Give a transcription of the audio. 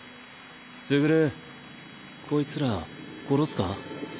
傑こいつら殺すか？